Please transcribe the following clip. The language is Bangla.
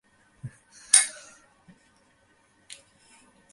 কিন্তু হাসা ঠিক হবেনা, তারা দেখে ফেলবে।